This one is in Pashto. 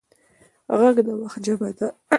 غږ د وخت ژبه ده